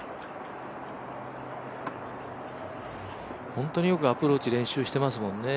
本当によくアプローチ練習してますもんね